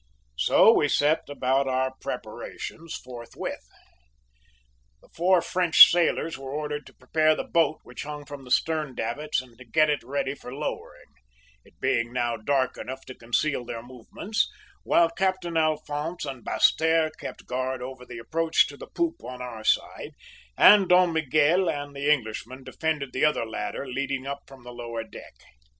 "So we set about our preparations forthwith. "The four French sailors were ordered to prepare the boat which hung from the stern davits and to get it ready for lowering, it being now dark enough to conceal their movements, while Captain Alphonse and Basseterre kept guard over the approach to the poop on our side, and Don Miguel and the Englishman defended the other ladder leading up from the lower deck.